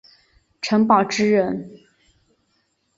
陈宝炽人。